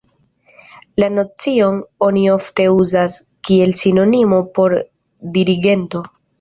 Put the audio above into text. La nocion oni ofte uzas kiel sinonimo por dirigento.